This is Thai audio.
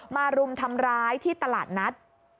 รุมทำร้ายที่ตลาดนัด